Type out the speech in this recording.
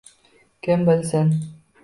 Kim bilsin